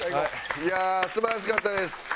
いやあ素晴らしかったです。